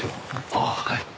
ああはい。